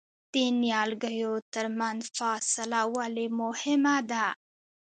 د نیالګیو ترمنځ فاصله ولې مهمه ده؟